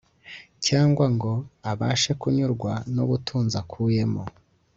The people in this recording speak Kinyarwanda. cyangwa ngo abashe kunyurwa n’ubutunzi akuyemo